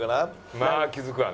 まあ気づくわな。